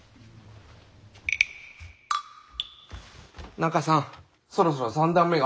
中さんそろそろ三段目が。